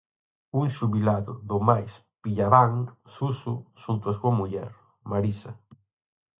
Un xubilado do máis pillabán, Suso, xunto a súa muller, Marisa.